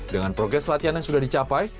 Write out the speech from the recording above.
dengan progres latihan yang sudah dicapai